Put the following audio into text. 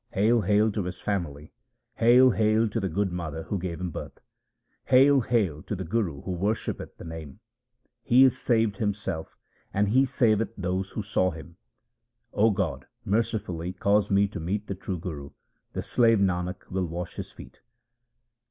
hail, hail to his family ! hail, hail to the good mother who gave him birth ! Hail, hail to the Guru who worshippeth the Name ! he is saved himself and he saveth those who saw him. O God, mercifully cause me to meet the true Guru ; the slave Nanak will wash his feet.